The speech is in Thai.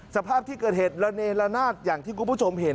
สภาพที่เกิดเหตุระเนละนาดอย่างที่คุณผู้ชมเห็น